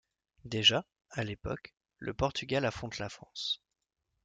Déjà, à l'époque, le Portugal affronte la France.